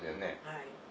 はい。